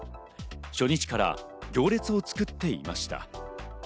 初日から行列を作っていました。